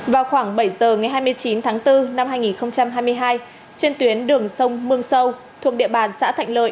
vào khoảng bảy giờ ngày hai mươi chín tháng bốn năm hai nghìn hai mươi hai trên tuyến đường sông mương sâu thuộc địa bàn xã thạnh lợi